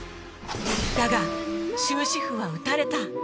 だが終止符は打たれた